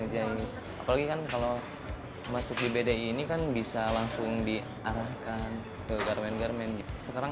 jay apalagi kan kalau masuk di bdi ini kan bisa langsung diarahkan ke garmen garmen sekarang